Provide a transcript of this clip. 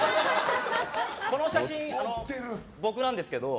この写真、僕なんですけど